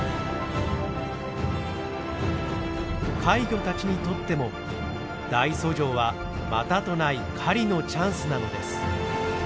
怪魚たちにとっても大遡上はまたとない狩りのチャンスなのです。